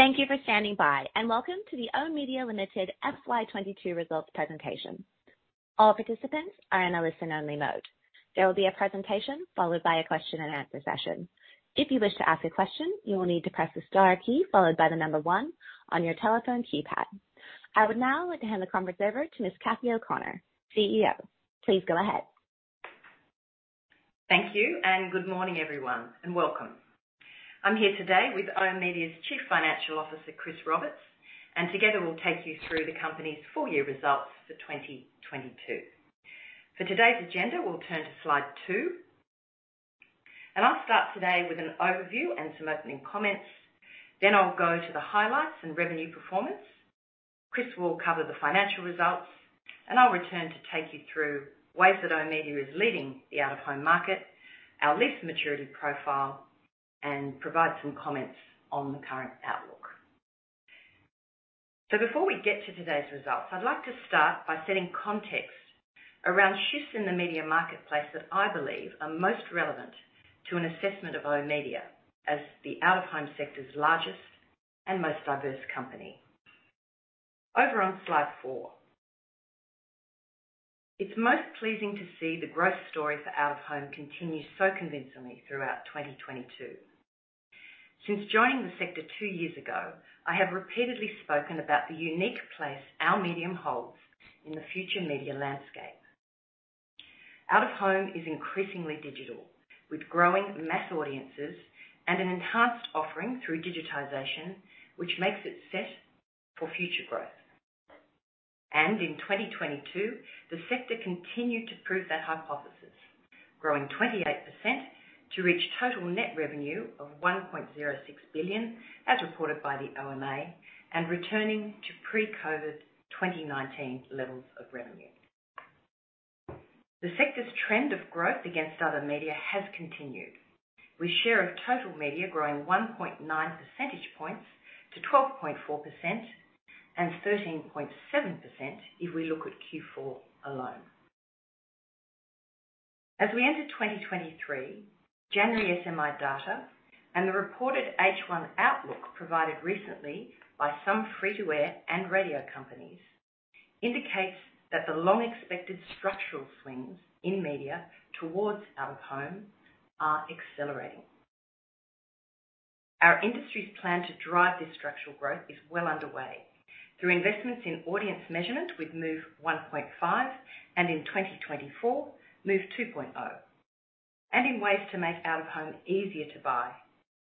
Thank you for standing by. Welcome to the oOh!media Limited FY 22 results presentation. All participants are in a listen-only mode. There will be a presentation followed by a question and answer session. If you wish to ask a question, you will need to press the star key followed by the one on your telephone keypad. I would now like to hand the conference over to Ms. Cathy O'Connor, CEO. Please go ahead. Thank you, good morning, everyone, and welcome. I'm here today with Media's Chief Financial Officer, Chris Roberts, and together we'll take you through the company's full year results for 2022. For today's agenda, we'll turn to slide two. I'll start today with an overview and some opening comments, then I'll go to the highlights and revenue performance. Chris will cover the financial results, and I'll return to take you through ways that oOh!media is leading the out-of-home market, our lease maturity profile, and provide some comments on the current outlook. Before we get to today's results, I'd like to start by setting context around shifts in the media marketplace that I believe are most relevant to an assessment of oOh!media as the out-of-home sector's largest and most diverse company. Over on slide four. It's most pleasing to see the growth story for Out-of-Home continue so convincingly throughout 2022. Since joining the sector 2 years ago, I have repeatedly spoken about the unique place our medium holds in the future media landscape. Out-of-Home is increasingly digital, with growing mass audiences and an enhanced offering through digitization, which makes it set for future growth. In 2022, the sector continued to prove that hypothesis, growing 28% to reach total net revenue of AUD 1.06 billion as reported by the OMA and returning to pre-COVID 2019 levels of revenue. The sector's trend of growth against other media has continued. We share a total media growing 1.9 percentage points to 12.4% and 13.7% if we look at Q4 alone. As we enter 2023, January SMI data and the reported H1 outlook provided recently by some free-to-air and radio companies indicates that the long expected structural swings in media towards Out-of-Home are accelerating. Our industry's plan to drive this structural growth is well underway through investments in audience measurement with MOVE 1.5 and in 2024, MOVE 2.0. In ways to make Out-of-Home easier to buy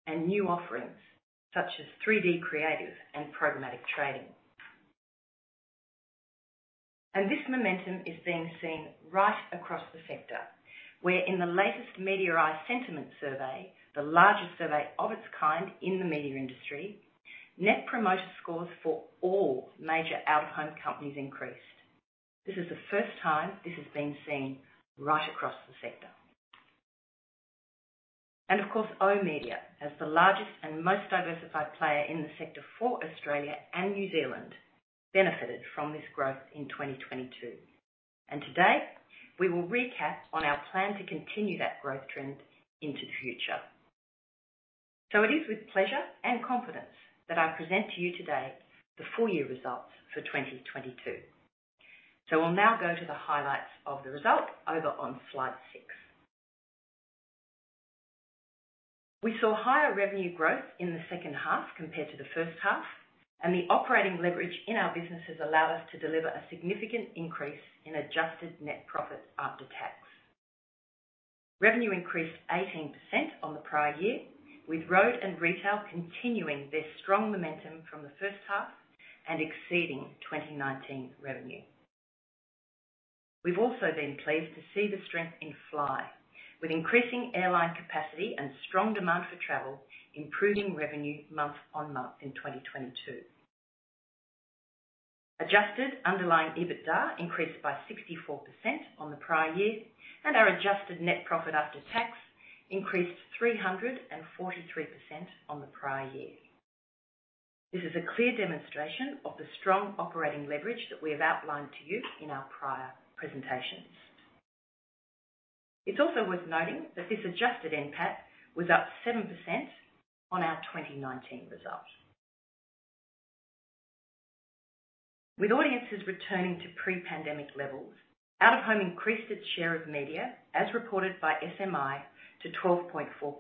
and new offerings such as 3D creative and programmatic trading. This momentum is being seen right across the sector, where in the latest Media i sentiment survey, the largest survey of its kind in the media industry, net promotion scores for all major Out-of-Home companies increased. This is the first time this has been seen right across the sector. Of course, oOh!media, as the largest and most diversified player in the sector for Australia and New Zealand, benefited from this growth in 2022. Today, we will recap on our plan to continue that growth trend into the future. It is with pleasure and confidence that I present to you today the full year results for 2022. We'll now go to the highlights of the result over on slide six. We saw higher revenue growth in the second half compared to the first half, and the operating leverage in our businesses allowed us to deliver a significant increase in adjusted net profit after tax. Revenue increased 18% on the prior year, with road and retail continuing their strong momentum from the first half and exceeding 2019 revenue. We've also been pleased to see the strength in fly with increasing airline capacity and strong demand for travel, improving revenue month-on-month in 2022. Adjusted underlying EBITDA increased by 64% on the prior year. Our adjusted NPAT increased 343% on the prior year. This is a clear demonstration of the strong operating leverage that we have outlined to you in our prior presentations. It's also worth noting that this adjusted NPAT was up 7% on our 2019 results. With audiences returning to pre-pandemic levels, out-of-home increased its share of media, as reported by SMI, to 12.4%.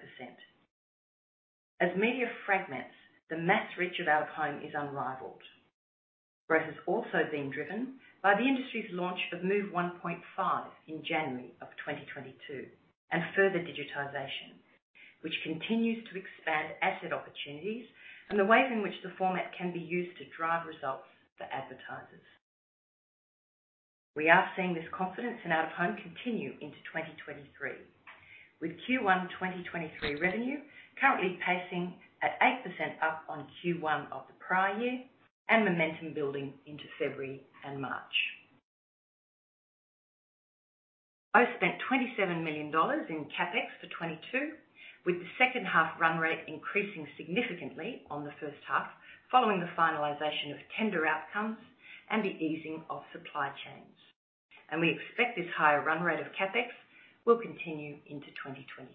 As media fragments, the mass reach of out-of-home is unrivaled. Growth has also been driven by the industry's launch of MOVE 1.5 in January 2022 and further digitization, which continues to expand asset opportunities and the ways in which the format can be used to drive results for advertisers. We are seeing this confidence in Out-of-Home continue into 2023, with Q1 2023 revenue currently pacing at 8% up on Q1 of the prior year and momentum building into February and March. oOh!media spent 27 million dollars in CapEx for 2022, with the second half run rate increasing significantly on the first half following the finalization of tender outcomes and the easing of supply chains. We expect this higher run rate of CapEx will continue into 2023.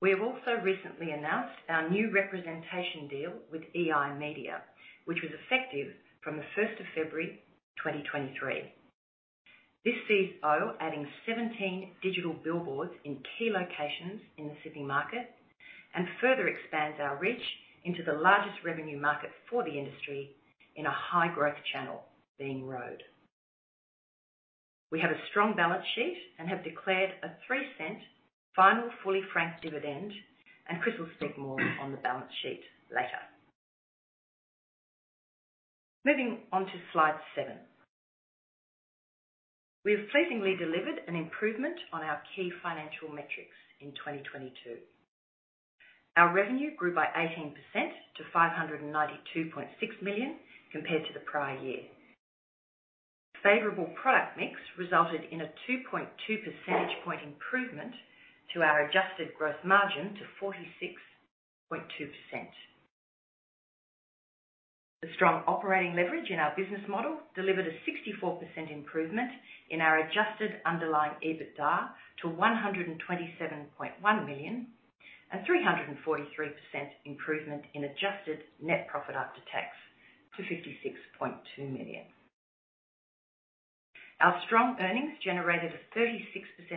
We have also recently announced our new representation deal with EiMedia, which was effective from February 1, 2023. This sees OOH adding 17 digital billboards in key locations in the Sydney market and further expands our reach into the largest revenue market for the industry in a high-growth channel, being road. We have a strong balance sheet and have declared a 0.03 final fully franked dividend, and Chris will speak more on the balance sheet later. Moving on to slide seven. We have pleasingly delivered an improvement on our key financial metrics in 2022. Our revenue grew by 18% to 592.6 million compared to the prior year. Favorable product mix resulted in a 2.2 percentage point improvement to our adjusted growth margin to 46.2%. The strong operating leverage in our business model delivered a 64% improvement in our adjusted underlying EBITDA to 127.1 million and 343% improvement in adjusted net profit after tax to 56.2 million. Our strong earnings generated a 36%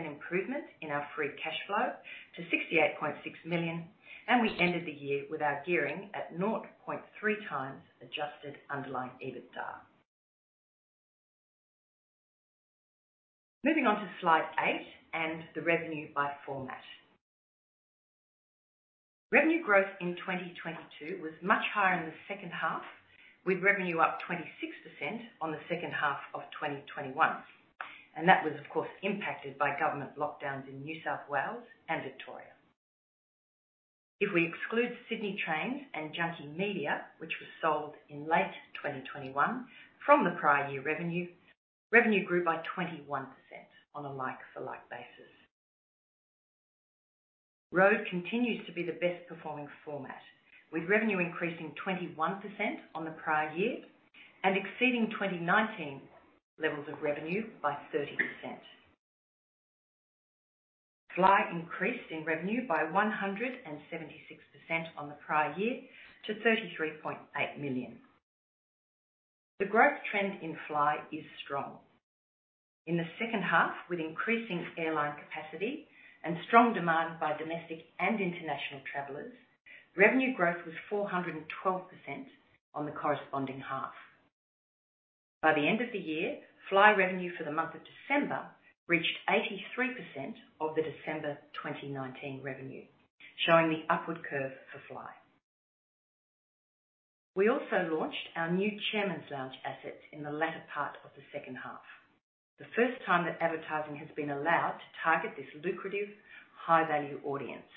improvement in our free cash flow to 68.6 million, and we ended the year with our gearing at 0.3 times adjusted underlying EBITDA. Moving on to slide eight and the revenue by format. Revenue growth in 2022 was much higher in the second half, with revenue up 26% on the second half of 2021, that was of course impacted by government lockdowns in New South Wales and Victoria. If we exclude Sydney Trains and Junkee Media, which was sold in late 2021 from the prior year revenue grew by 21% on a like for like basis. Road continues to be the best performing format, with revenue increasing 21% on the prior year and exceeding 2019 levels of revenue by 30%. Fly increased in revenue by 176% on the prior year to 33.8 million. The growth trend in Fly is strong. In the second half, with increasing airline capacity and strong demand by domestic and international travelers, revenue growth was 412% on the corresponding half. By the end of the year, Fly revenue for the month of December reached 83% of the December 2019 revenue, showing the upward curve for Fly. We also launched our new Chairman's Lounge asset in the latter part of the second half, the first time that advertising has been allowed to target this lucrative high-value audience.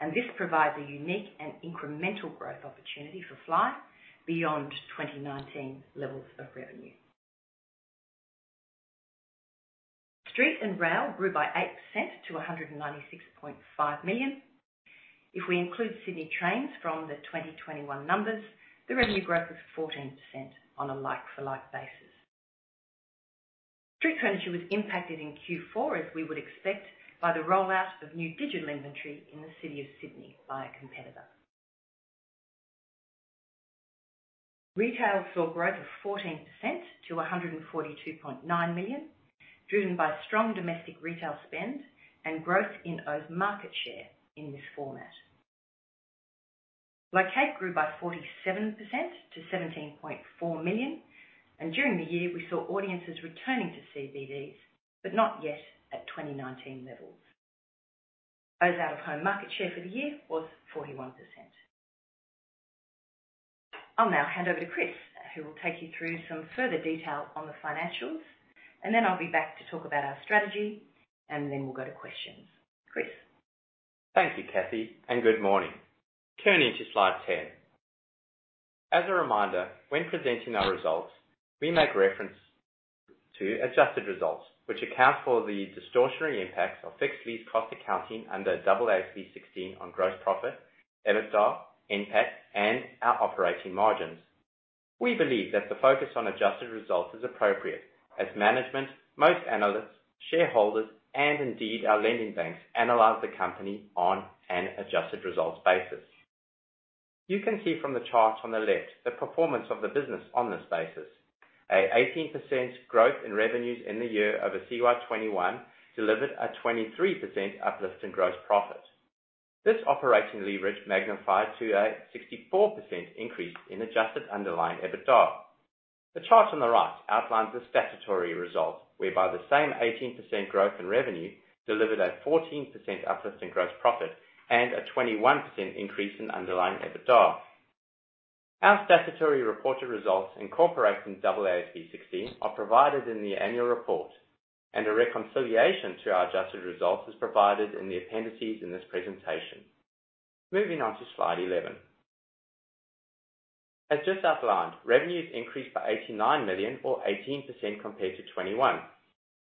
This provides a unique and incremental growth opportunity for fly beyond 2019 levels of revenue. Street and rail grew by 8% to 196.5 million. If we include Sydney Trains from the 2021 numbers, the revenue growth was 14% on a like for like basis. Street furniture was impacted in Q4, as we would expect, by the rollout of new digital inventory in the city of Sydney by a competitor. Retail saw growth of 14% to 142.9 million, driven by strong domestic retail spend and growth in OOH's market share in this format. Locate grew by 47% to 17.4 million. During the year, we saw audiences returning to CBDs, not yet at 2019 levels. OOH's out-of-home market share for the year was 41%. I'll now hand over to Chris, who will take you through some further detail on the financials. Then I'll be back to talk about our strategy. Then we'll go to questions. Chris? Thank you, Cathy. Good morning. Turning to slide 10. As a reminder, when presenting our results, we make reference to adjusted results, which account for the distortionary impacts of fixed lease cost accounting under AASB 16 on gross profit, EBITDA, NPAT, and our operating margins. We believe that the focus on adjusted results is appropriate as management, most analysts, shareholders, and indeed our lending banks analyze the company on an adjusted results basis. You can see from the chart on the left the performance of the business on this basis. An 18% growth in revenues in the year over CY 2021 delivered a 23% uplift in gross profit. This operating leverage magnified to a 64% increase in adjusted underlying EBITDA. The chart on the right outlines the statutory result, whereby the same 18% growth in revenue delivered a 14% uplift in gross profit and a 21% increase in underlying EBITDA. Our statutory reported results incorporating AASB 16 are provided in the annual report, and a reconciliation to our adjusted results is provided in the appendices in this presentation. Moving on to slide 11. As just outlined, revenues increased by 89 million or 18% compared to 2021.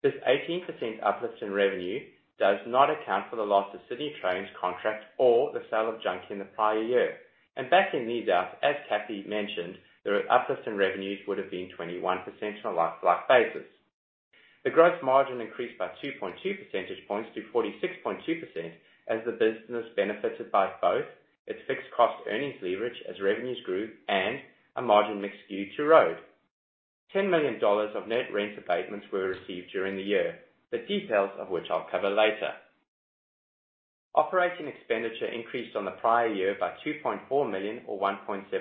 This 18% uplift in revenue does not account for the loss of Sydney Trains contract or the sale of Junkee in the prior year. Back in these outs, as Cathy mentioned, the uplift in revenues would have been 21% on a like-to-like basis. The gross margin increased by 2.2 percentage points to 46.2% as the business benefited by both its fixed cost earnings leverage as revenues grew and a margin mix due to reo. $10 million of net rent abatements were received during the year, the details of which I'll cover later. Operating expenditure increased on the prior year by $2.4 million or 1.7%.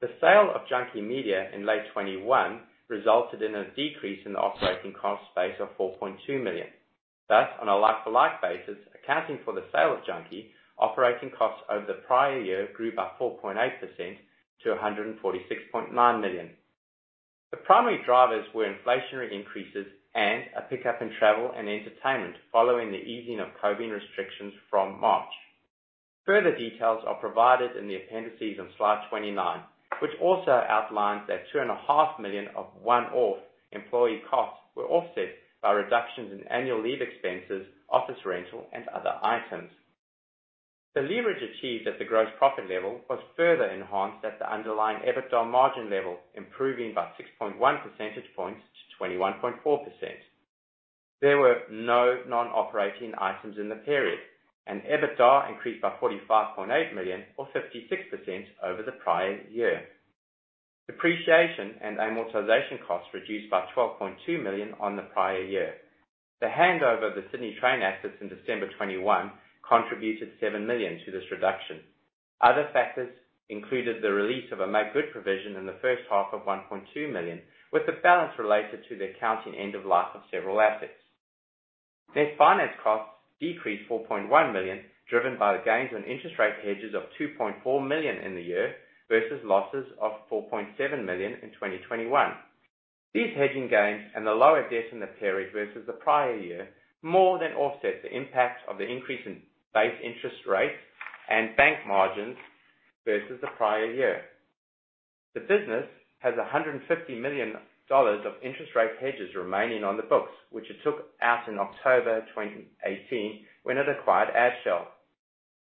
The sale of Junkee Media in late 2021 resulted in a decrease in the operating cost base of $4.2 million. On a like-for-like basis, accounting for the sale of Junkee, operating costs over the prior year grew by 4.8% to $146.9 million. The primary drivers were inflationary increases and a pickup in travel and entertainment following the easing of COVID restrictions from March. Further details are provided in the appendices on slide 29, which also outlines that 2.5 million of one-off employee costs were offset by reductions in annual leave expenses, office rental, and other items. The leverage achieved at the gross profit level was further enhanced at the underlying EBITDA margin level, improving by 6.1 percentage points to 21.4%. There were no non-operating items in the period. EBITDA increased by 45.8 million or 56% over the prior year. Depreciation and amortization costs reduced by 12.2 million on the prior year. The handover of the Sydney Trains assets in December 2021 contributed 7 million to this reduction. Other factors included the release of a make good provision in the first half of 1.2 million, with the balance related to the accounting end of life of several assets. Net finance costs decreased 4.1 million, driven by the gains on interest rate hedges of 2.4 million in the year versus losses of 4.7 million in 2021. These hedging gains and the lower debt in the period versus the prior year more than offset the impact of the increase in base interest rates and bank margins versus the prior year. The business has 150 million dollars of interest rate hedges remaining on the books, which it took out in October 2018 when it acquired Adshel.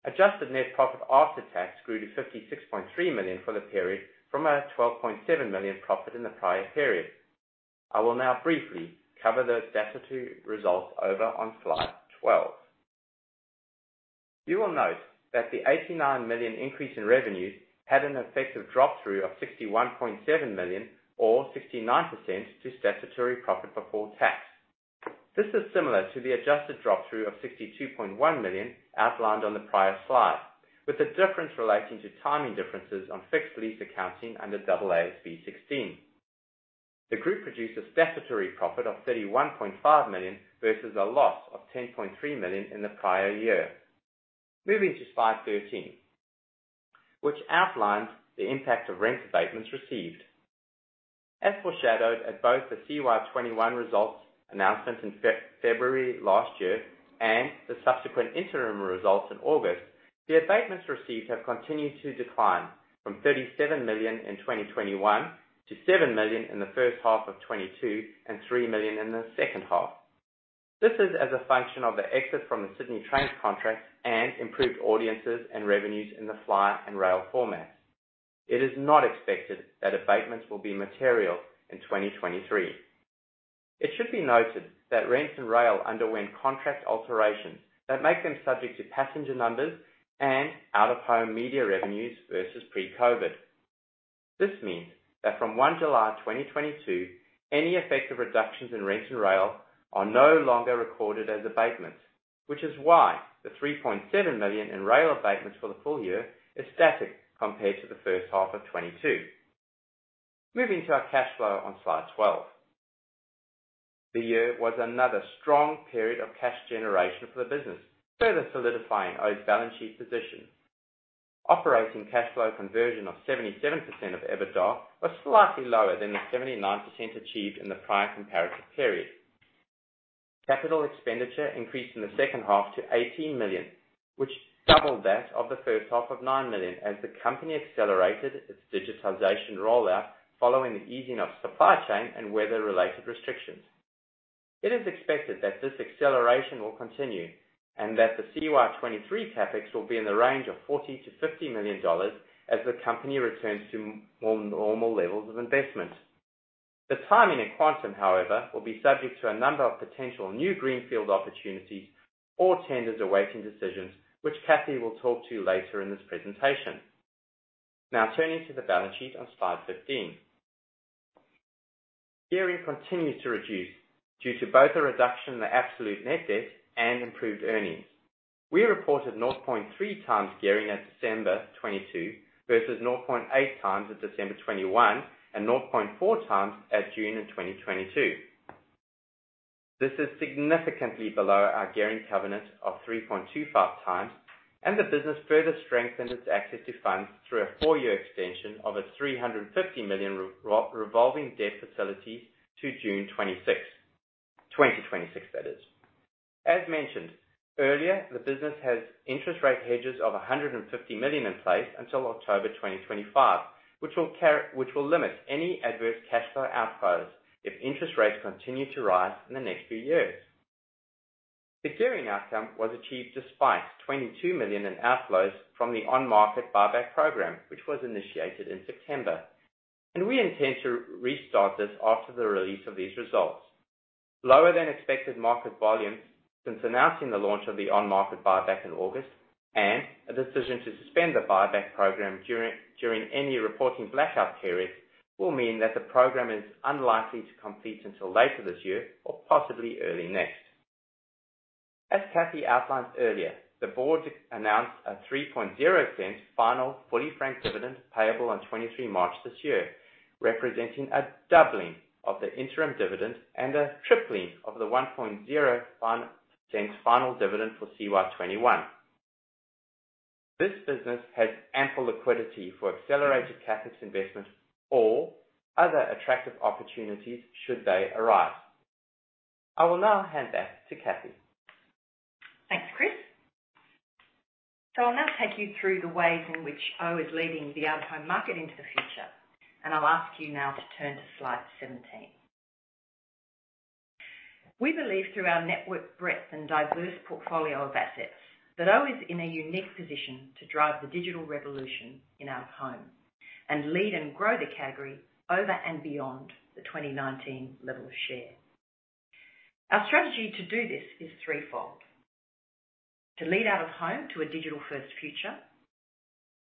Adjusted net profit after tax grew to 56.3 million for the period from a 12.7 million profit in the prior period. I will now briefly cover the statutory results over on slide 12. You will note that the 89 million increase in revenues had an effective drop through of 61.7 million or 69% to statutory profit before tax. This is similar to the adjusted drop through of 62.1 million outlined on the prior slide, with the difference relating to timing differences on fixed lease accounting under AASB 16. The group produced a statutory profit of 31.5 million versus a loss of 10.3 million in the prior year. Moving to slide 13, which outlines the impact of rent abatements received. As foreshadowed at both the CY 2021 results announcement in February last year and the subsequent interim results in August, the abatements received have continued to decline from 37 million in 2021 to 7 million in the first half of 2022 and 3 million in the second half. This is as a function of the exit from the Sydney Trains contract and improved audiences and revenues in the fly and rail formats. It is not expected that abatements will be material in 2023. It should be noted that rents and rail underwent contract alterations that make them subject to passenger numbers and out-of-home media revenues versus pre-COVID. This means that from 1 July 2022, any effective reductions in rents and rail are no longer recorded as abatements, which is why the 3.7 million in rail abatements for the full year is static compared to the first half of 2022. Moving to our cash flow on slide 12. The year was another strong period of cash generation for the business, further solidifying oOh!media's balance sheet position. Operating cash flow conversion of 77% of EBITDA was slightly lower than the 79% achieved in the prior comparative period. Capital expenditure increased in the second half to 18 million, which doubled that of the first half of 9 million as the company accelerated its digitization rollout following the easing of supply chain and weather-related restrictions. It is expected that this acceleration will continue and that the CY 2023 CapEx will be in the range of AUD 40 million-AUD 50 million as the company returns to more normal levels of investment. The timing and quantum, however, will be subject to a number of potential new greenfield opportunities or tenders awaiting decisions which Cathy will talk to later in this presentation. Turning to the balance sheet on slide 15. Gearing continued to reduce due to both a reduction in the absolute net debt and improved earnings. We reported 0.3 times gearing at December 2022 versus 0.8 times at December 2021 and 0.4 times at June of 2022. This is significantly below our gearing covenant of 3.25 times. The business further strengthened its access to funds through a four-year extension of a 350 million revolving debt facility to June 26th. 2026, that is. As mentioned earlier, the business has interest rate hedges of 150 million in place until October 2025, which will limit any adverse cash flow outflows if interest rates continue to rise in the next few years. The gearing outcome was achieved despite 22 million in outflows from the on-market buyback program, which was initiated in September. We intend to restart this after the release of these results. Lower than expected market volumes since announcing the launch of the on-market buyback in August and a decision to suspend the buyback program during any reporting blackout periods will mean that the program is unlikely to complete until later this year or possibly early next. As Cathy outlined earlier, the board announced a 0.030 final fully franked dividend payable on 23 March this year, representing a doubling of the interim dividend and a tripling of the 0.010 cents final dividend for CY 2021. This business has ample liquidity for accelerated CapEx investments or other attractive opportunities should they arise. I will now hand back to Cathy. Thanks, Chris. I'll now take you through the ways in which OOH is leading the out-of-home market into the future, and I'll ask you now to turn to slide 17. We believe through our network breadth and diverse portfolio of assets that OOH is in a unique position to drive the digital revolution in out-of-home and lead and grow the category over and beyond the 2019 level of share. Our strategy to do this is threefold: to lead out-of-home to a digital-first future,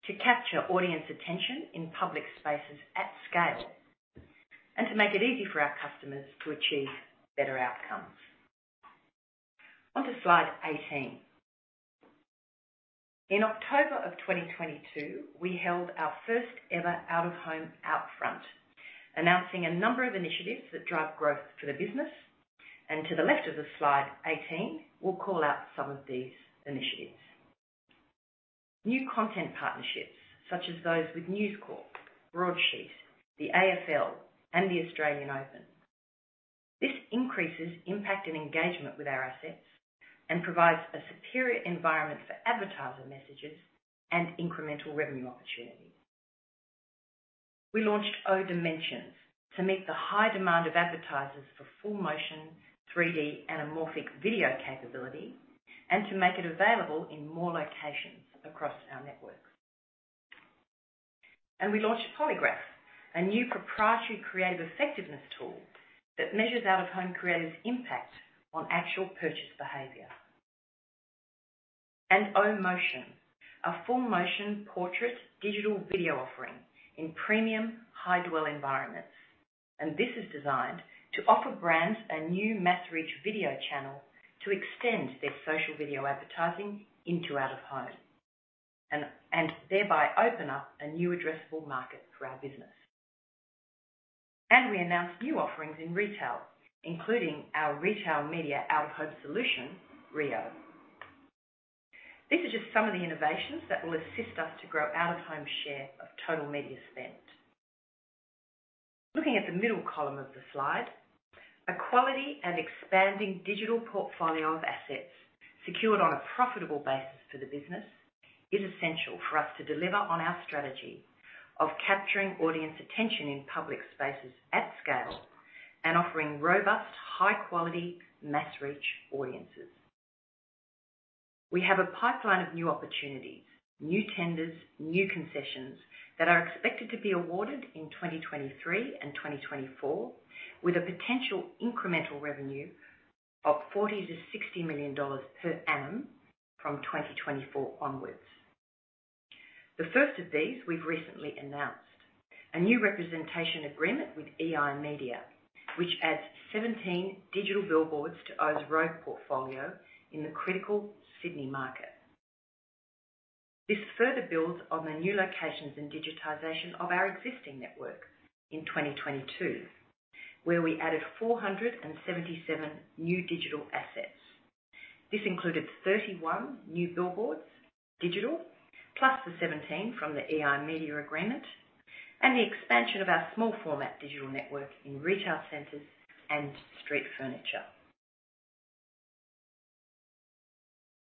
to capture audience attention in public spaces at scale, and to make it easy for our customers to achieve better outcomes. Onto slide 18. In October of 2022, we held our first ever out-of-home Outfront, announcing a number of initiatives that drive growth for the business. To the left of the slide 18, we'll call out some of these initiatives. New content partnerships such as those with News Corp, Broadsheet, the AFL, and the Australian Open. This increases impact and engagement with our assets and provides a superior environment for advertiser messages and incremental revenue opportunities. We launched oOh! dimensions to meet the high demand of advertisers for full motion, 3D anamorphic video capability and to make it available in more locations across our networks. We launched POLYGRAPH, a new proprietary creative effectiveness tool that measures out-of-home creative impact on actual purchase behavior. oOh! motion, a full motion portrait digital video offering in premium high dwell environments. This is designed to offer brands a new mass reach video channel to extend their social video advertising into out-of-home and thereby open up a new addressable market for our business. We announced new offerings in retail, including our retail media out-of-home solution, reo. These are just some of the innovations that will assist us to grow Out-of-Home share of total media spend. Looking at the middle column of the slide, a quality and expanding digital portfolio of assets secured on a profitable basis for the business is essential for us to deliver on our strategy of capturing audience attention in public spaces at scale and offering robust, high quality, mass reach audiences. We have a pipeline of new opportunities, new tenders, new concessions that are expected to be awarded in 2023 and 2024, with a potential incremental revenue of 40 million-60 million dollars per annum from 2024 onwards. The first of these we've recently announced, a new representation agreement with EiMedia, which adds 17 digital billboards to OOH's road portfolio in the critical Sydney market. This further builds on the new locations and digitization of our existing network in 2022, where we added 477 new digital assets. This included 31 new billboards, digital, plus the 17 from the EiMedia agreement, and the expansion of our small format digital network in retail centers and street furniture.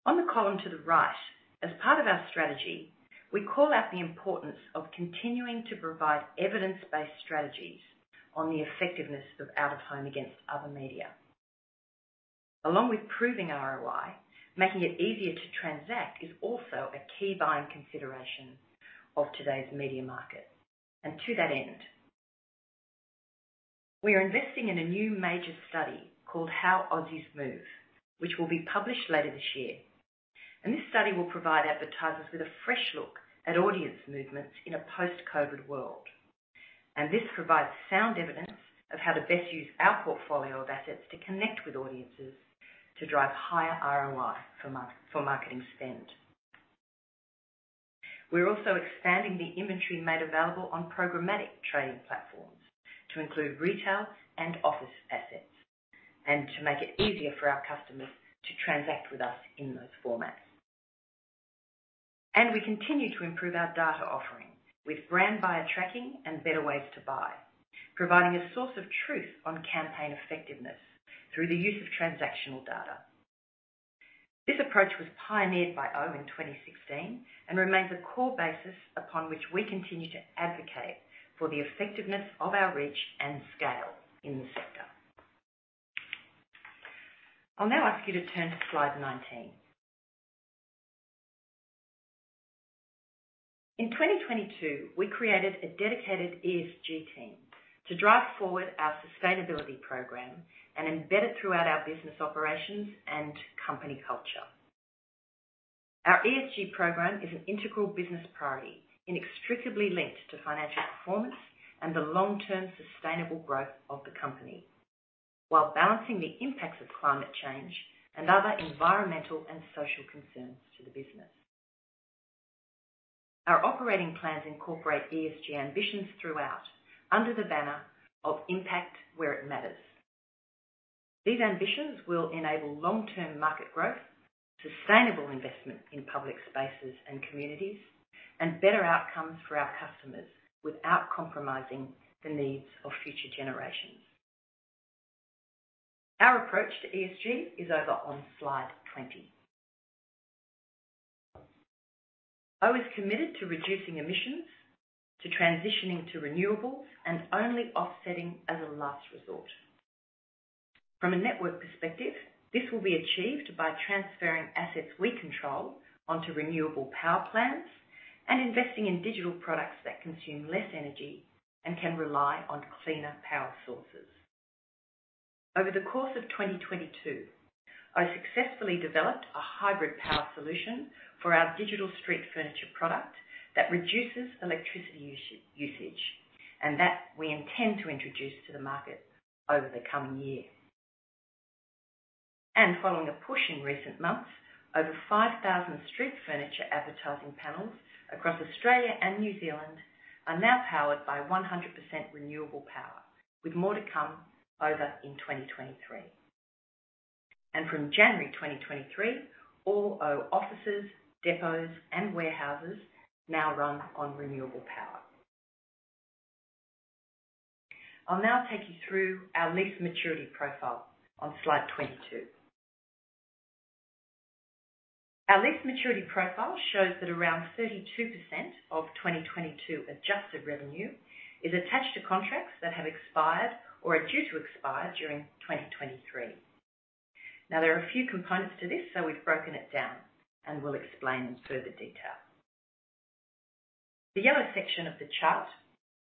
On the column to the right, as part of our strategy, we call out the importance of continuing to provide evidence-based strategies on the effectiveness of out-of-home against other media. Along with proving ROI, making it easier to transact is also a key buying consideration of today's media market. To that end, we are investing in a new major study called How Aussies Move, which will be published later this year. This study will provide advertisers with a fresh look at audience movements in a post-COVID world. This provides sound evidence of how to best use our portfolio of assets to connect with audiences to drive higher ROI for marketing spend. We're also expanding the inventory made available on programmatic trading platforms to include retail and office assets and to make it easier for our customers to transact with us in those formats. We continue to improve our data offering with brand buyer tracking and better ways to buy, providing a source of truth on campaign effectiveness through the use of transactional data. This approach was pioneered by OOH in 2016 and remains a core basis upon which we continue to advocate for the effectiveness of our reach and scale in this sector. I'll now ask you to turn to slide 19. In 2022, we created a dedicated ESG team to drive forward our sustainability program and embed it throughout our business operations and company culture. Our ESG program is an integral business priority, inextricably linked to financial performance and the long-term sustainable growth of the company while balancing the impacts of climate change and other environmental and social concerns to the business. Our operating plans incorporate ESG ambitions throughout, under the banner of Impact where it matters. These ambitions will enable long-term market growth, sustainable investment in public spaces and communities, and better outcomes for our customers without compromising the needs of future generations. Our approach to ESG is over on slide 20. OOH is committed to reducing emissions, to transitioning to renewable and only offsetting as a last resort. From a network perspective, this will be achieved by transferring assets we control onto renewable power plants and investing in digital products that consume less energy and can rely on cleaner power sources. Over the course of 2022, OOH successfully developed a hybrid power solution for our digital street furniture product that reduces electricity usage, and that we intend to introduce to the market over the coming year. Following a push in recent months, over 5,000 street furniture advertising panels across Australia and New Zealand are now powered by 100% renewable power, with more to come over in 2023. From January 2023, all OOH offices, depots and warehouses now run on renewable power. I'll now take you through our lease maturity profile on slide 22. Our lease maturity profile shows that around 32% of 2022 adjusted revenue is attached to contracts that have expired or are due to expire during 2023. There are a few components to this, so we've broken it down and we'll explain in further detail. The yellow section of the chart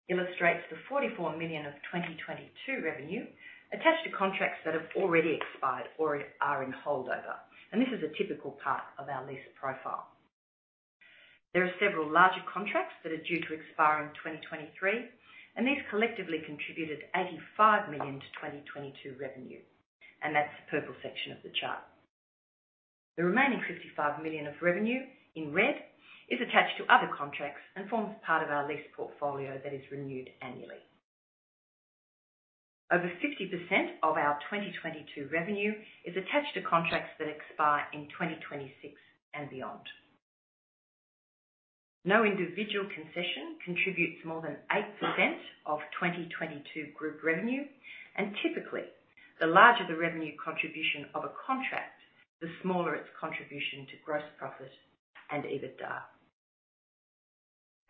illustrates the 44 million of 2022 revenue attached to contracts that have already expired or are in holdover. This is a typical part of our lease profile. There are several larger contracts that are due to expire in 2023, and these collectively contributed 85 million to 2022 revenue. That's the purple section of the chart. The remaining 55 million of revenue, in red, is attached to other contracts and forms part of our lease portfolio that is renewed annually. Over 50% of our 2022 revenue is attached to contracts that expire in 2026 and beyond. No individual concession contributes more than 8% of 2022 group revenue. Typically, the larger the revenue contribution of a contract, the smaller its contribution to gross profit and EBITDA.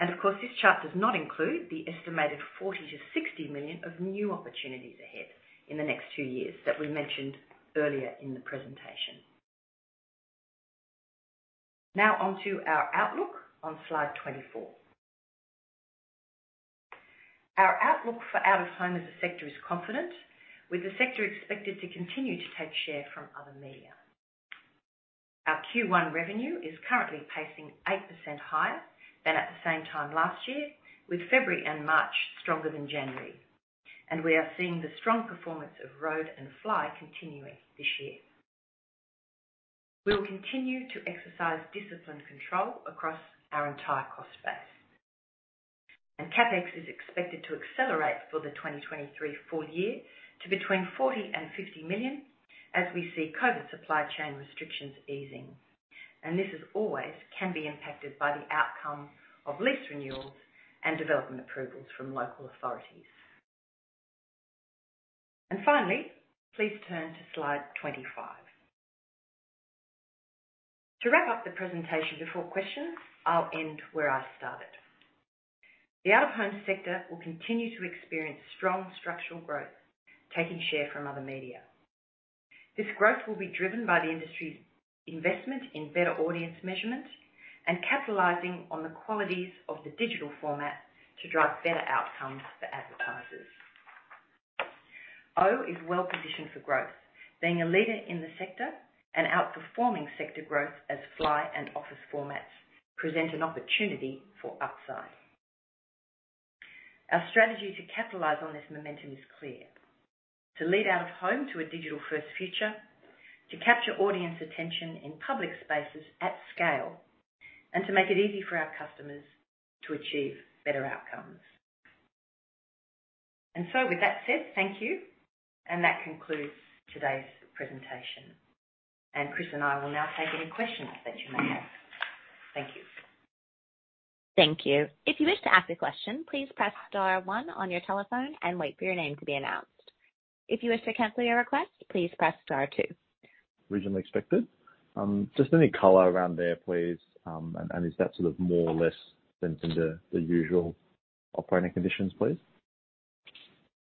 Of course, this chart does not include the estimated 40 million-60 million of new opportunities ahead in the next two years that we mentioned earlier in the presentation. Now onto our outlook on slide 24. Our outlook for out-of-home as a sector is confident, with the sector expected to continue to take share from other media. Our Q1 revenue is currently pacing 8% higher than at the same time last year, with February and March stronger than January. We are seeing the strong performance of road and fly continuing this year. We will continue to exercise disciplined control across our entire cost base. CapEx is expected to accelerate for the 2023 full year to between 40 million and 50 million as we see COVID supply chain restrictions easing. This is always can be impacted by the outcome of lease renewals and development approvals from local authorities. Finally, please turn to slide 25. To wrap up the presentation before questions, I'll end where I started. The out-of-home sector will continue to experience strong structural growth, taking share from other media. This growth will be driven by the industry's investment in better audience measurement and capitalizing on the qualities of the digital format to drive better outcomes for advertisers. OOH is well positioned for growth. Being a leader in the sector and outperforming sector growth as fly and office formats present an opportunity for upside. Our strategy to capitalize on this momentum is clear: to lead out-of-home to a digital-first future, to capture audience attention in public spaces at scale, and to make it easy for our customers to achieve better outcomes. With that said, thank you. That concludes today's presentation. Chris and I will now take any questions that you may have. Thank you. Thank you. If you wish to ask a question, please press star one on your telephone and wait for your name to be announced. If you wish to cancel your request, please press star two. Originally expected. Just any color around there, please. Is that sort of more or less than from the usual operating conditions, please?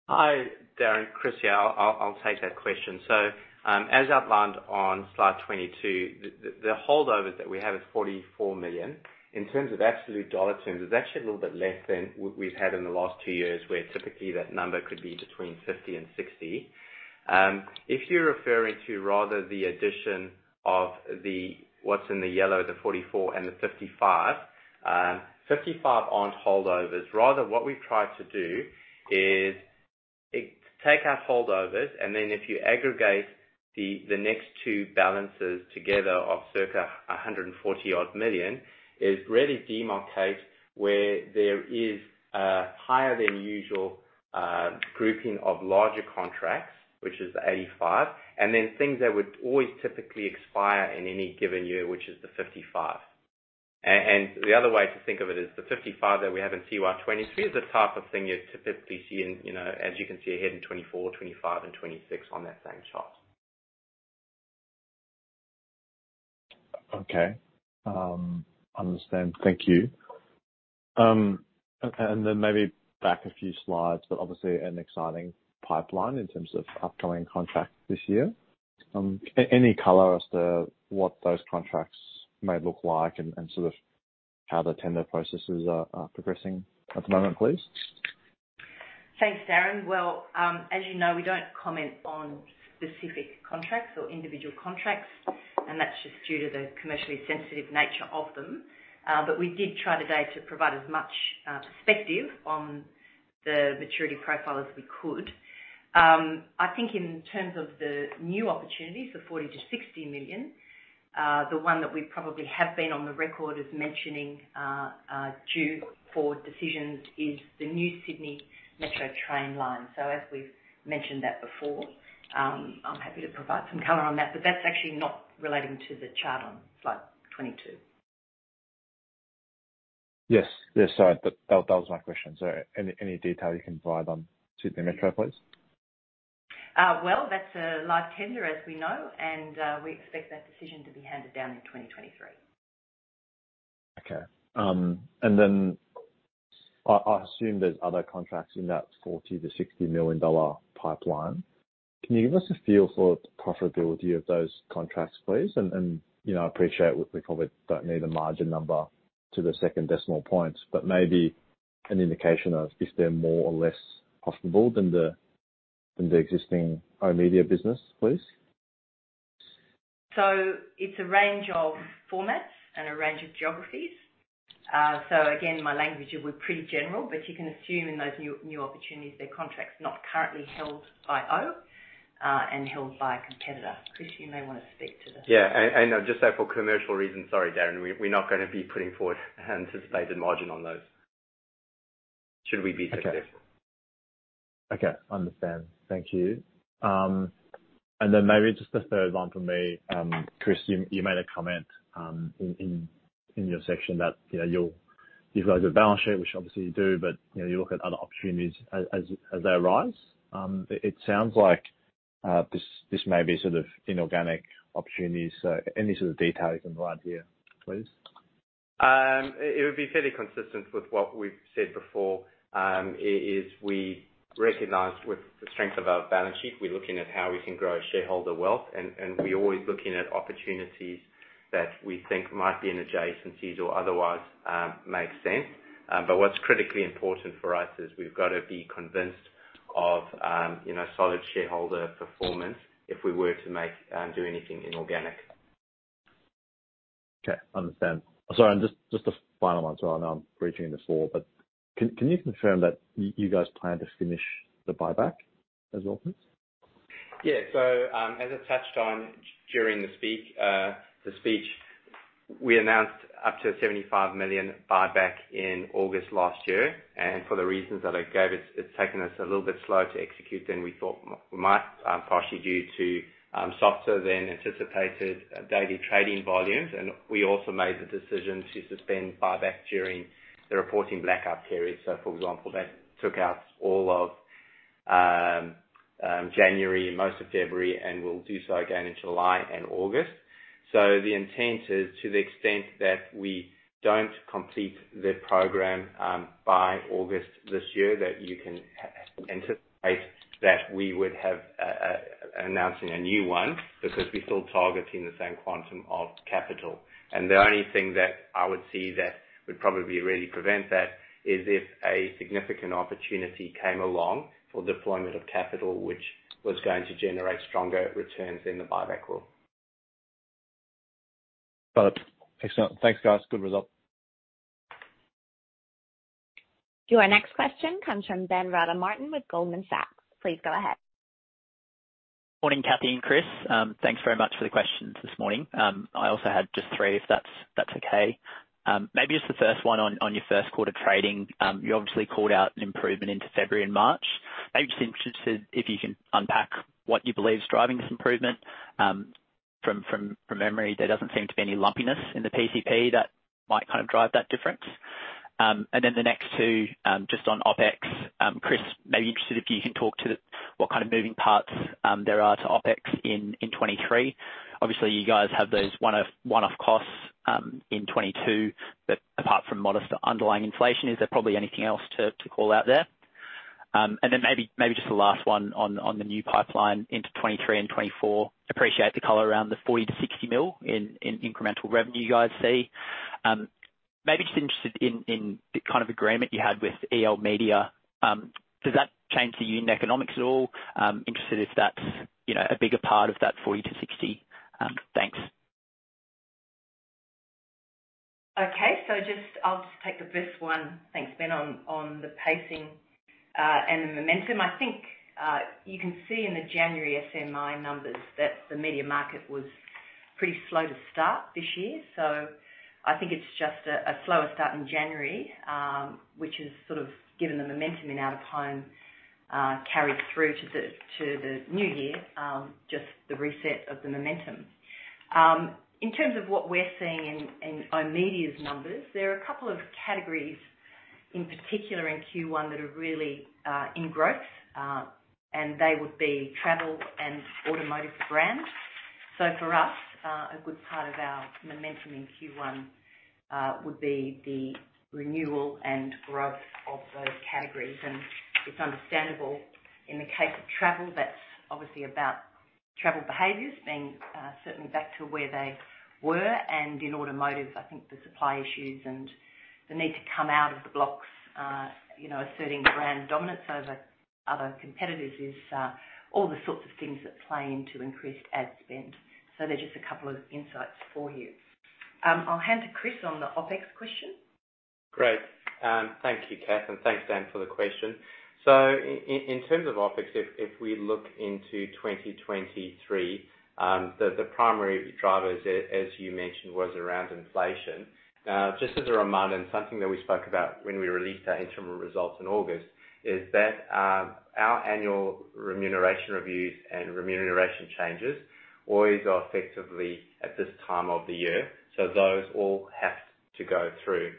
Hi, Darren. Chris here. I'll take that question. As outlined on slide 22, the holdovers that we have is 44 million. In terms of absolute dollar terms, it's actually a little bit less than we've had in the last two years, where typically that number could be between 50 and 60. If you're referring to rather the addition of the what's in the yellow, the 44 and the 55. 55 aren't holdovers. Rather, what we've tried to do is take our holdovers, and then if you aggregate the next two balances together of circa 140 odd million, is really demarcate where there is a higher than usual grouping of larger contracts, which is the 85, and then things that would always typically expire in any given year, which is the 55. The other way to think of it is the 55 that we have in CY 2023 is the type of thing you'd typically see in, as you can see ahead in 2024, 2025 and 2026 on that same chart. Okay. Understand. Thank you. Then maybe back a few slides, but obviously an exciting pipeline in terms of upcoming contracts this year. Any color as to what those contracts may look like and sort of how the tender processes are progressing at the moment, please? Thanks, Darren. Well, as we don't comment on specific contracts or individual contracts. That's just due to the commercially sensitive nature of them. We did try today to provide as much perspective on the maturity profile as we could. I think in terms of the new opportunities, the 40 million-60 million, the one that we probably have been on the record as mentioning, due for decisions is the new Sydney Metro train line. As we've mentioned that before, I'm happy to provide some color on that. That's actually not relating to the chart on slide 22. Yes. Sorry. That was my question. Any detail you can provide on Sydney Metro, please? Well, that's a live tender, as we know, we expect that decision to be handed down in 2023. Okay. I assume there's other contracts in that 40 million-60 million dollar pipeline. Can you give us a feel for the profitability of those contracts, please? I appreciate we probably don't need a margin number to the second decimal point, but maybe an indication of if they're more or less profitable than the existing EiMedia business, please. It's a range of formats and a range of geographies. Again, my language will be pretty general, but you can assume in those new opportunities, they're contracts not currently held by O and held by a competitor. Chris, you may want to speak. Yeah. Just so for commercial reasons, sorry, Darren, we're not going to be putting forward anticipated margin on those, should we be so specific. Okay. Understand. Thank you. Then maybe just the third one from me, Chris, you made a comment, in your section that, you've got a good balance sheet, which obviously you do, but you look at other opportunities as they arise. It sounds like, this may be sort of inorganic opportunities. Any sort of detail you can provide here, please? It would be fairly consistent with what we've said before, is we recognize with the strength of our balance sheet, we're looking at how we can grow shareholder wealth, and we're always looking at opportunities that we think might be in adjacencies or otherwise, make sense. What's critically important for us is we've got to be convinced of, solid shareholder performance if we were to make, do anything inorganic. Okay. Understand. Sorry, just a final one as well. I know I'm breaching this wall, can you confirm that you guys plan to finish the buyback as well, please? Yeah. As I touched on during the speech, we announced up to 75 million buyback in August last year. For the reasons that I gave, it's taken us a little bit slower to execute than we thought we might, partially due to softer than anticipated daily trading volumes. We also made the decision to suspend buyback during the reporting blackout period. For example, that took out all of January, most of February, and will do so again in July and August. The intent is to the extent that we don't complete the program by August this year, that you can anticipate that we would have a announcing a new one because we're still targeting the same quantum of capital. The only thing that I would see that would probably really prevent that is if a significant opportunity came along for deployment of capital, which was going to generate stronger returns in the buyback rule. Got it. Excellent. Thanks, guys. Good result. Your next question comes from Brian Han with Goldman Sachs. Please go ahead. Morning, Cathy and Chris. Thanks very much for the questions this morning. I also had just three, if that's okay. Maybe just the first one on your Q1 trading. You obviously called out an improvement into February and March. Maybe just interested if you can unpack what you believe is driving this improvement. From memory, there doesn't seem to be any lumpiness in the PCP that might kind of drive that difference. The next two, just on OpEx. Chris, maybe interested if you can talk to what kind of moving parts there are to OpEx in 2023. Obviously, you guys have those one-off costs in 2022, apart from modest underlying inflation, is there probably anything else to call out there? Maybe just the last one on the new pipeline into 2023 and 2024. Appreciate the color around the 40 million-60 million in incremental revenue you guys see. Maybe just interested in the kind of agreement you had with EiMedia. Does that change the unit economics at all? Interested if that's, a bigger part of that 40 million-60 million. Thanks. Okay. I'll just take the first one. Thanks, Ben. On the pacing and the momentum. I think you can see in the January SMI numbers that the media market was pretty slow to start this year. I think it's just a slower start in January, which has sort of given the momentum in out-of-home carried through to the new year, just the reset of the momentum. In terms of what we're seeing in oOh!media's numbers, there are a couple of categories, in particular in Q1, that are really in growth, and they would be travel and automotive brands. For us, a good part of our momentum in Q1 would be the renewal and growth of those categories. It's understandable in the case of travel, that's obviously about travel behaviors being certainly back to where they were. In automotive, I think the supply issues and the need to come out of the blocks, asserting brand dominance over other competitors is all the sorts of things that play into increased ad spend. They're just a couple of insights for you. I'll hand to Chris on the OpEx question. Great. Thank you, Cathy, and thanks, Brian Han, for the question. In terms of OpEx, if we look into 2023, the primary drivers as you mentioned, was around inflation. Just as a reminder, and something that we spoke about when we released our interim results in August, is that our annual remuneration reviews and remuneration changes always are effectively at this time of the year. Those all have to go through.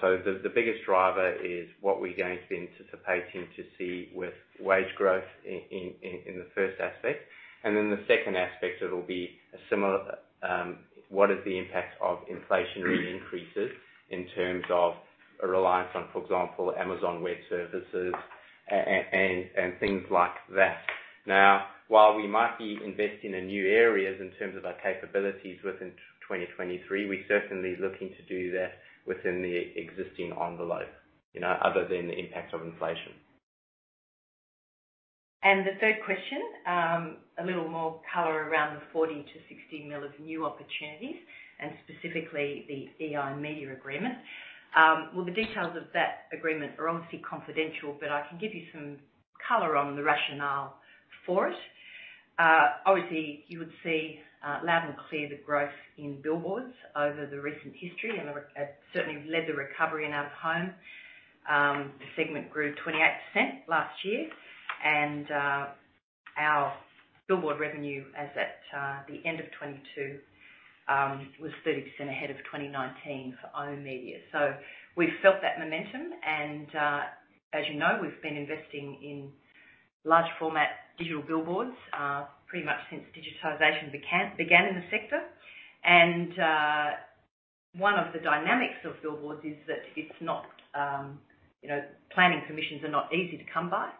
The biggest driver is what we're going to be anticipating to see with wage growth in the first aspect. The second aspect, it'll be a similar, what is the impact of inflationary increases in terms of a reliance on, for example, Amazon Web Services and things like that. Now, while we might be investing in new areas in terms of our capabilities within 2023, we're certainly looking to do that within the existing envelope, other than the impact of inflation. The third question, a little more color around the $40 to 60 million of new opportunities and specifically the EiMedia agreement. Well, the details of that agreement are obviously confidential, but I can give you some color on the rationale for it. Obviously you would see loud and clear the growth in billboards over the recent history, certainly led the recovery in out-of-home. The segment grew 28% last year, and our billboard revenue as at the end of 2022 was 30% ahead of 2019 for oOh!media. We've felt that momentum. We've been investing in large format digital billboards pretty much since digitization began in the sector. One of the dynamics of billboards is that it's not planning commissions are not easy to come by.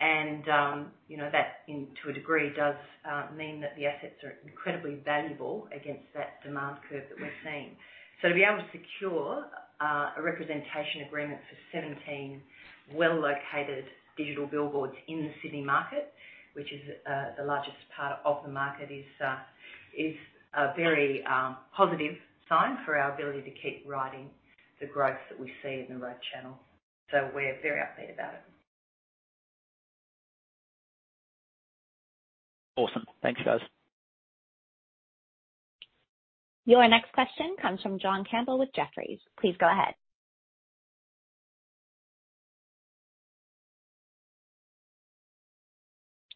That to a degree does mean that the assets are incredibly valuable against that demand curve that we're seeing. To be able to secure a representation agreement for 17 well-located digital billboards in the Sydney market, which is the largest part of the market, is a very positive sign for our ability to keep riding the growth that we see in the road channel. We're very upbeat about it. Awesome. Thanks, guys. Your next question comes from John Campbell with Jefferies. Please go ahead.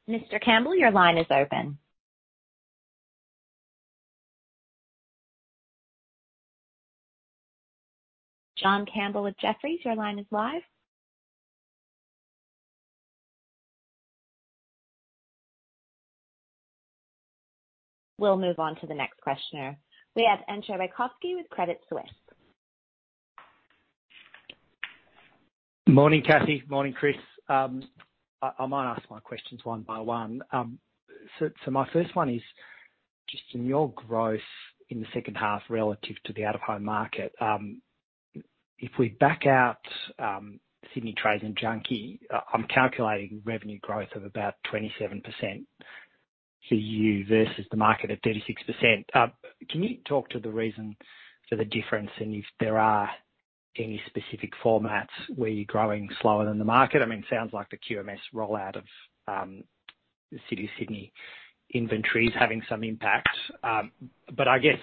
Mr. Campbell, your line is open. John Campbell with Jefferies, your line is live. We'll move on to the next questioner. We have Entcho Raykovski with Credit Suisse. Morning, Cathy. Morning, Chris. I might ask my questions one by one. So my first one is just in your growth in the second half relative to the out-of-home market, if we back out Sydney Trains and Junkee, I'm calculating revenue growth of about 27% for you versus the market at 36%. Can you talk to the reason for the difference and if there are any specific formats where you're growing slower than the market? It sounds like the QMS rollout of the City of Sydney inventory is having some impact. I guess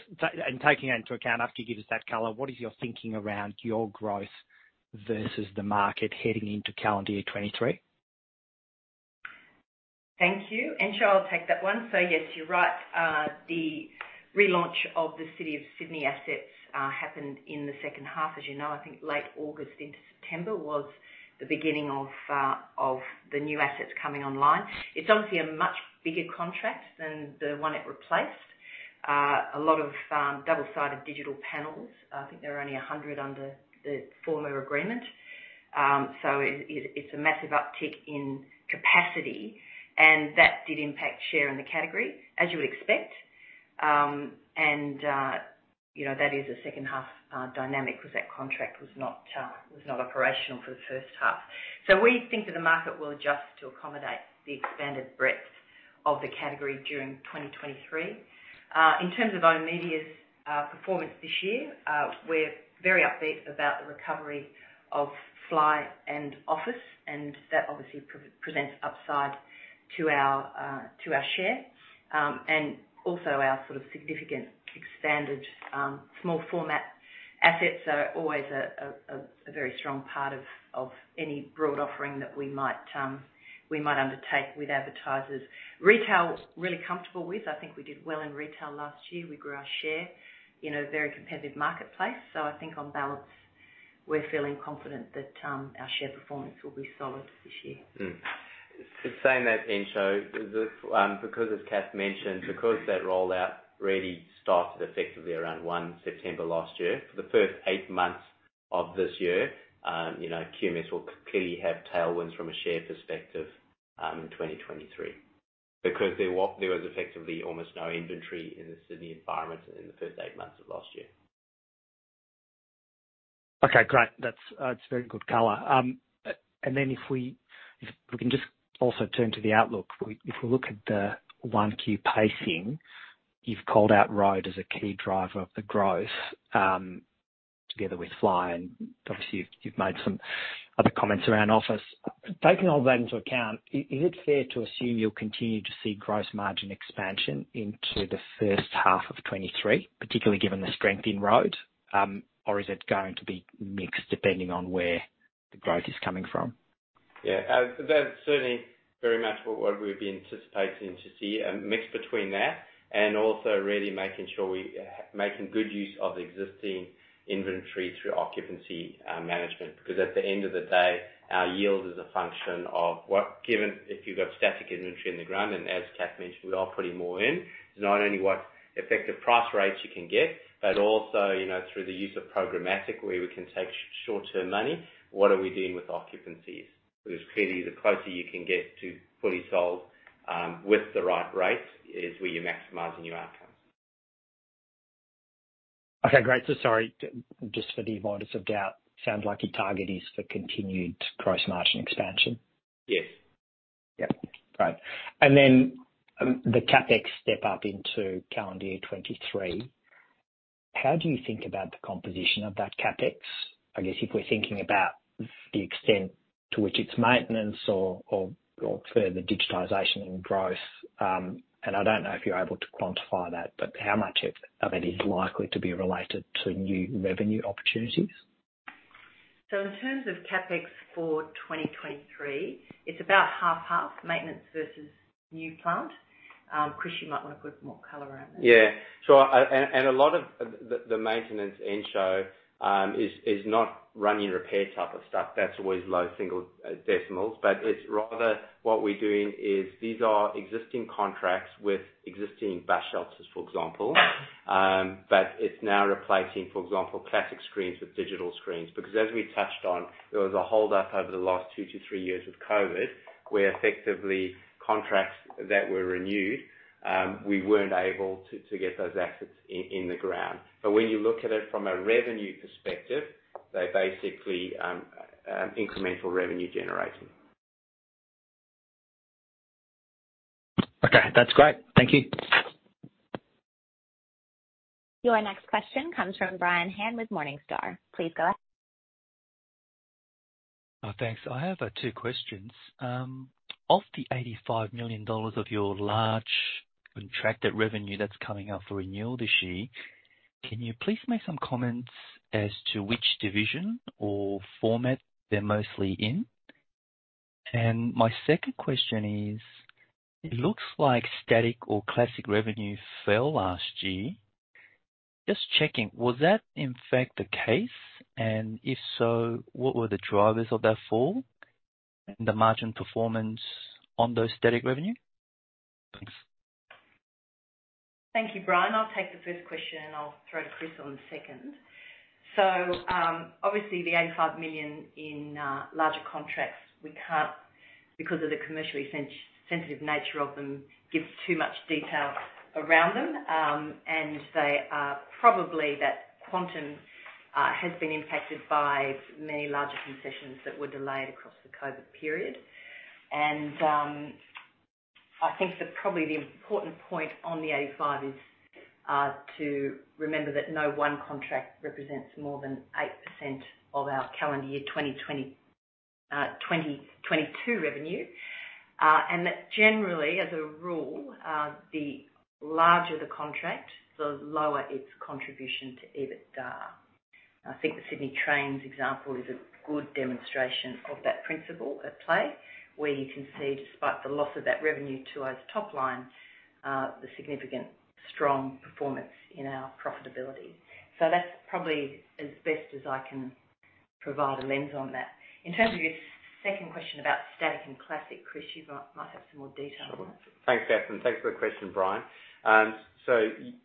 and taking into account after you give us that color, what is your thinking around your growth versus the market heading into calendar year 2023? Thank you. Entcho, I'll take that one. Yes, you're right. The relaunch of the City of Sydney assets happened in the second half. As late August into September was the beginning of the new assets coming online. It's obviously a much bigger contract than the one it replaced. A lot of double-sided digital panels. I think there are only 100 under the former agreement. So it's a massive uptick in capacity, and that did impact share in the category, as you would expect. That is a second half dynamic because that contract was not operational for the first half. We think that the market will adjust to accommodate the expanded breadth of the category during 2023. In terms of oOh!media's performance this year, we're very upbeat about the recovery of fly and office, and that obviously pre-presents upside to our share. Also our sort of significant expanded small format assets are always a very strong part of any broad offering that we might undertake with advertisers. Retail, really comfortable with. I think we did well in retail last year. We grew our share in a very competitive marketplace. I think on balance, we're feeling confident that our share performance will be solid this year. Mm-hmm. In saying that, Entcho, because as Cathy mentioned, because that rollout really started effectively around 1 September last year, for the first 8 months of this year, QMS will clearly have tailwinds from a share perspective, in 2023. There was effectively almost no inventory in the Sydney environment in the first 8 months of last year. Okay, great. That's very good color. Then if we can just also turn to the outlook. If we look at the 1Q pacing, you've called out road as a key driver of the growth, together with fly, obviously you've made some other comments around office. Taking all that into account, is it fair to assume you'll continue to see gross margin expansion into the first half of 2023, particularly given the strength in road? Is it going to be mixed depending on where the growth is coming from? Yeah, that's certainly very much what we've been anticipating to see, a mix between that and also really making sure we making good use of existing inventory through occupancy management. At the end of the day, our yield is a function of what. Given if you've got static inventory in the ground, and as Cath mentioned, we are putting more in, it's not only what effective price rates you can get, but also, through the use of programmatic, where we can take short-term money, what are we doing with occupancies? Clearly, the closer you can get to fully sold, with the right rates is where you're maximizing your outcomes. Okay, great. Sorry, just for the avoidance of doubt, sounds like your target is for continued gross margin expansion. Yes. Yes, great. The CapEx step up into calendar year 23, how do you think about the composition of that CapEx? I guess if we're thinking about the extent to which it's maintenance or further digitization and growth, and I don't know if you're able to quantify that, but how much of it is likely to be related to new revenue opportunities? In terms of CapEx for 2023, it's about 50/50 maintenance versus new plant. Chris, you might want to put some more color around that. Yeah. And a lot of the maintenance, Entcho, is not running repair type of stuff. That's always low single decimals. It's rather what we're doing is these are existing contracts with existing bus shelters, for example. It's now replacing, for example, classic screens with digital screens. As we touched on, there was a hold up over the last 2-3 years with COVID, where effectively contracts that were renewed, we weren't able to get those assets in the ground. When you look at it from a revenue perspective, they're basically incremental revenue generating. Okay, that's great. Thank you. Your next question comes from Brian Han with Morningstar. Please go ahead. Thanks. I have two questions. Of the 85 million dollars of your large contracted revenue that's coming up for renewal this year, can you please make some comments as to which division or format they're mostly in? My second question is: It looks like static or classic revenue fell last year. Just checking, was that in fact the case? If so, what were the drivers of that fall and the margin performance on those static revenue? Thanks. Thank you, Brian. I'll take the first question. I'll throw to Chris on the second. Obviously, the $85 million in larger contracts, we can't, because of the commercially sensitive nature of them, give too much detail around them. They are probably that quantum has been impacted by many larger concessions that were delayed across the COVID period. I think that probably the important point on the 85 is to remember that no one contract represents more than 8% of our calendar year 2022 revenue. That generally, as a rule, the larger the contract, the lower its contribution to EBITDA. I think the Sydney Trains example is a good demonstration of that principle at play, where you can see despite the loss of that revenue to oOh!'s top line, the significant strong performance in our profitability. That's probably as best as I can provide a lens on that. In terms of your second question about static and classic, Chris, you might have some more detail on that. Sure. Thanks, Catherine. Thanks for the question, Brian.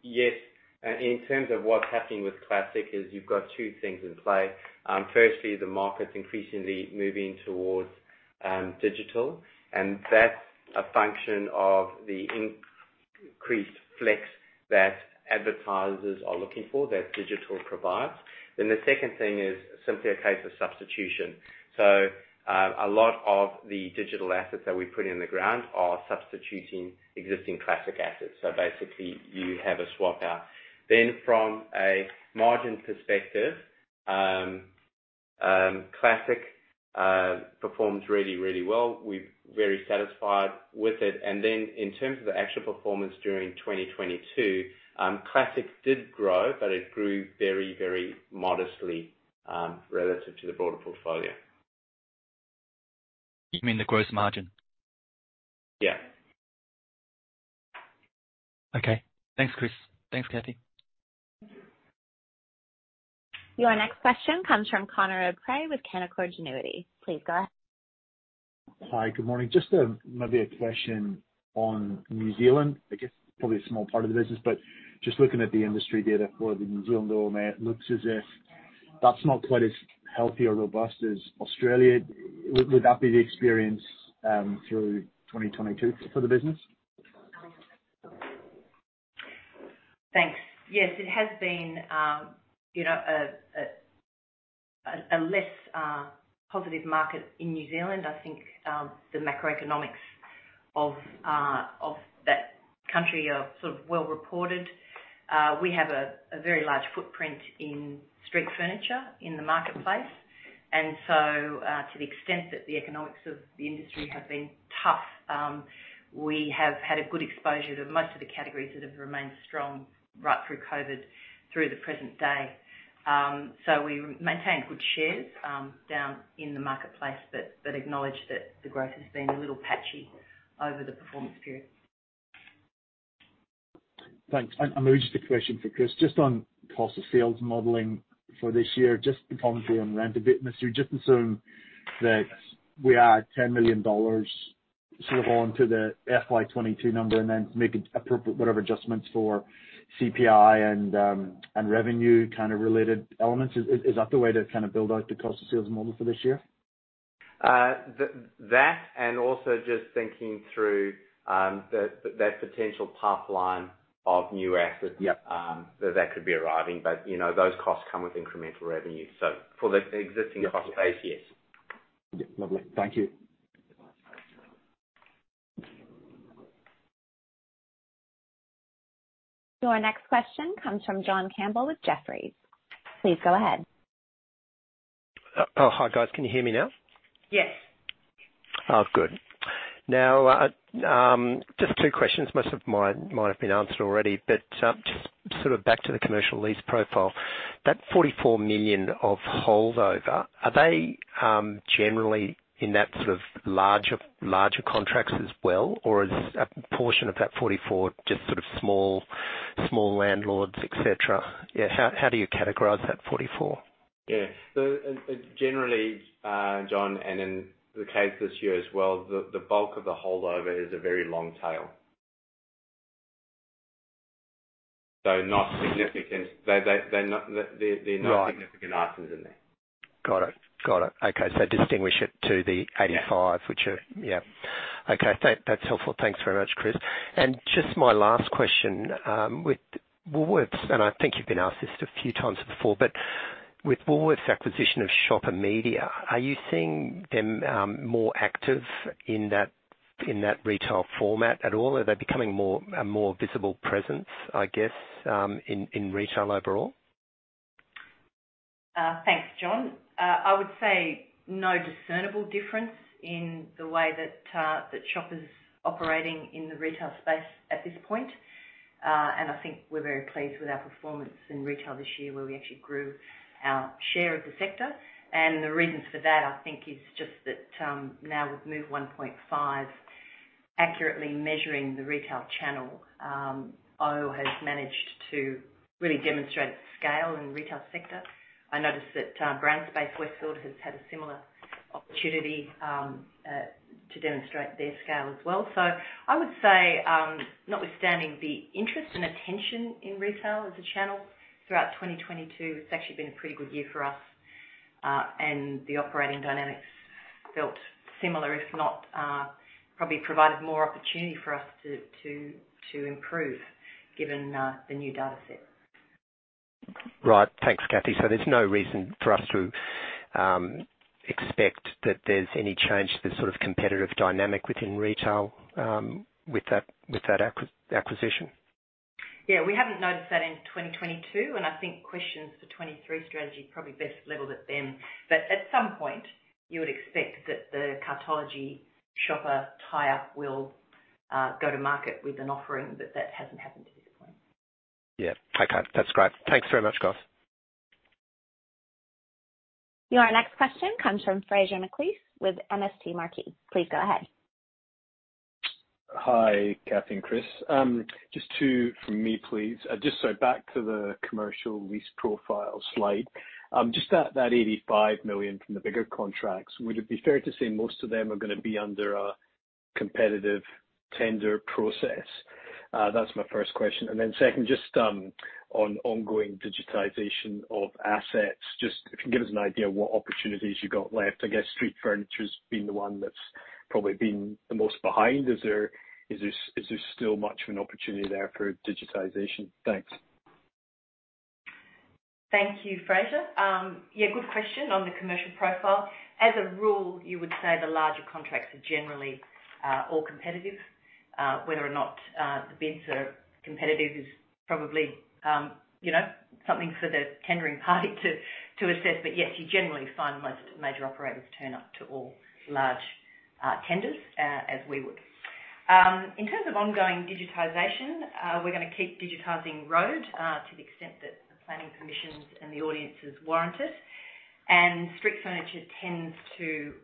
Yes, in terms of what's happening with classic is you've got two things in play. Firstly, the market's increasingly moving towards digital, that's a function of the increased flex that advertisers are looking for, that digital provides. The second thing is simply a case of substitution. A lot of the digital assets that we're putting in the ground are substituting existing classic assets. Basically you have a swap out. From a margin perspective, classic performs really, really well. We're very satisfied with it. In terms of the actual performance during 2022, classic did grow, it grew very, very modestly relative to the broader portfolio. You mean the gross margin? Yeah. Okay. Thanks, Chris. Thanks, Cathy. Your next question comes from Conor O'Prea with Canaccord Genuity. Please go ahead. Hi. Good morning. Just, maybe a question on New Zealand, I guess probably a small part of the business, but just looking at the industry data for the New Zealand dollar, it looks as if that's not quite as healthy or robust as Australia. Would that be the experience through 2022 for the business? Thanks. Yes, it has been a less positive market in New Zealand. I think the macroeconomics of that country are sort of well reported. We have a very large footprint in street furniture in the marketplace. To the extent that the economics of the industry have been tough, we have had a good exposure to most of the categories that have remained strong right through COVID, through the present day. We maintain good shares down in the marketplace that acknowledge that the growth has been a little patchy over the performance period. Thanks. Maybe just a question for Chris, just on cost of sales modeling for this year, just to commentary on rent a bit. Just assume that we add $10 million sort of onto the FY22 number and then make it appropriate whatever adjustments for CPI and revenue kind of related elements. Is that the way to kind of build out the cost of sales model for this year? That and also just thinking through that potential pipeline of new assets. Yep. That could be arriving those costs come with incremental revenue. For the existing cost base, yes. Yeah. Lovely. Thank you. Our next question comes from John Campbell with Jefferies. Please go ahead. Hi, guys. Can you hear me now? Yes. Good. Now, just two questions. Most of mine might have been answered already, but, just sort of back to the commercial lease profile, that 44 million of holdover, are they generally in that sort of larger contracts as well, or is a portion of that 44 just sort of small landlords, et cetera? Yeah, how do you categorize that 44? Yeah. generally, John, and in the case this year as well, the bulk of the holdover is a very long tail. Not significant. Right. There are no significant items in there. Got it. Got it. Okay. distinguish it to the- Yeah. 85, which are. Yeah. Okay. That's helpful. Thanks very much, Chris. Just my last question, with Woolworths, and I think you've been asked this a few times before, but with Woolworths acquisition of Shopper Media, are you seeing them more active in that, in that retail format at all? Are they becoming a more visible presence, I guess, in retail overall? Thanks, John. I would say no discernible difference in the way that Shoppers operating in the retail space at this point. I think we're very pleased with our performance in retail this year, where we actually grew our share of the sector. The reasons for that, I think is just that now with MOVE 1.5 accurately measuring the retail channel, O has managed to really demonstrate scale in the retail sector. I noticed that BrandSpace Westfield has had a similar opportunity to demonstrate their scale as well. I would say, notwithstanding the interest and attention in retail as a channel throughout 2022, it's actually been a pretty good year for us, and the operating dynamics felt similar, if not, probably provided more opportunity for us to improve given the new dataset. Right. Thanks, Cathy. There's no reason for us to expect that there's any change to the sort of competitive dynamic within retail, with that acquisition? We haven't noticed that in 2022. I think questions for 2023 strategy probably best leveled at them. At some point, you would expect that the Cartology-Shopper tie-up will go to market with an offering. That hasn't happened to this point. Yeah. Okay. That's great. Thanks very much, guys. Your next question comes from Fraser McLeish with MST Marquee. Please go ahead. Hi, Cathy and Chris. Just two from me, please. Just back to the commercial lease profile slide. Just that 85 million from the bigger contracts, would it be fair to say most of them are going to be under a competitive tender process? That's my first question. Second, just on ongoing digitization of assets, just if you can give us an idea what opportunities you got left. I guess street furniture's been the one that's probably been the most behind. Is there still much of an opportunity there for digitization? Thanks. Thank you, Fraser. Yeah, good question on the commercial profile. As a rule, you would say the larger contracts are generally all competitive. Whether or not the bids are competitive is probably, something for the tendering party to assess. Yes, you generally find most major operators turn up to all large tenders as we would. In terms of ongoing digitization, we're going to keep digitizing road to the extent that the planning commissions and the audiences warrant it. Street furniture tends to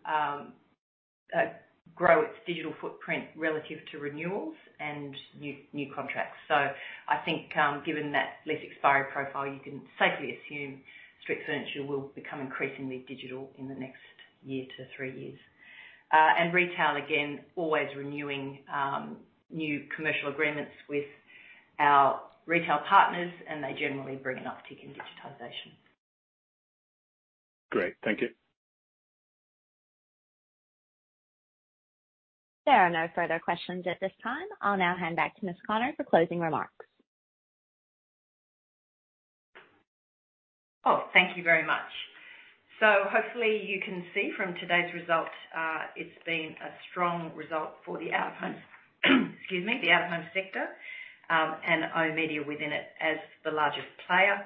grow its digital footprint relative to renewals and new contracts. I think, given that less expiry profile, you can safely assume street furniture will become increasingly digital in the next 1-3 years. Retail, again, always renewing, new commercial agreements with our retail partners, and they generally bring an uptick in digitization. Great. Thank you. There are no further questions at this time. I'll now hand back to Ms. Connor for closing remarks. Thank you very much. Hopefully you can see from today's results, it's been a strong result for the out-of-home, excuse me, the out-of-home sector, and oOh!media within it as the largest player.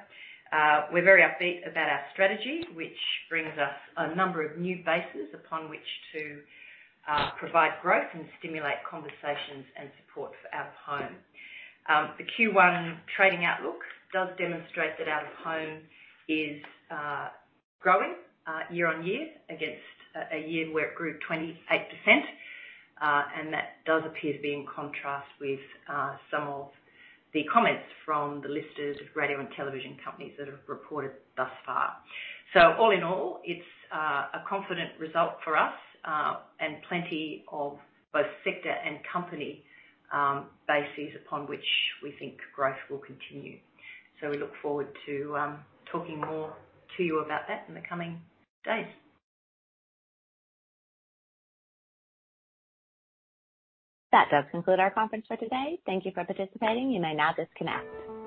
We're very upbeat about our strategy, which brings us a number of new bases upon which to provide growth and stimulate conversations and support for out-of-home. The Q1 trading outlook does demonstrate that out-of-home is growing year-on-year against a year where it grew 28%. That does appear to be in contrast with some of the comments from the listers of radio and television companies that have reported thus far. All in all, it's a confident result for us, plenty of both sector and company bases upon which we think growth will continue. We look forward to talking more to you about that in the coming days. That does conclude our conference for today. Thank you for participating. You may now disconnect.